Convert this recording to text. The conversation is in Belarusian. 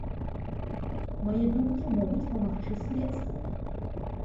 Мае думкі могуць памагчы следству.